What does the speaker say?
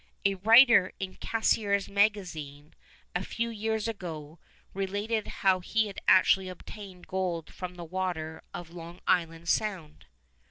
A writer in Cassier's Magazine, a few years ago, related how he had actually obtained gold from the water of Long Island Sound.